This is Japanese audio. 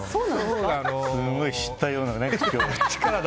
すごい知ったような口調で。